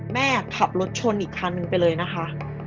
แม่ขับรถชนอีกคันนึงไปเลยนะคะ